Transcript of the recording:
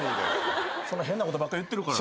そんな変なことばっか言ってるから。